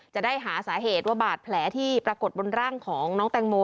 จะได้หาสาเหตุว่าบาดแผลที่ปรากฏบนร่างของน้องแตงโม